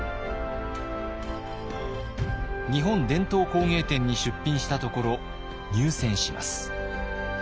日本伝統工芸展に出品したところ入選します。